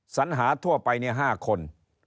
สัญหาทั่วไปเนี่ย๕คน